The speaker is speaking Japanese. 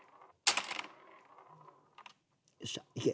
よっしゃいけ！